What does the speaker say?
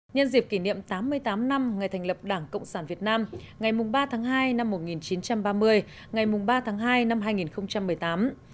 nhân dịp kỷ niệm tám mươi tám năm ngày thành lập đảng cộng sản việt nam ngày ba tháng hai năm một nghìn chín trăm ba mươi ngày ba tháng hai năm hai nghìn một mươi tám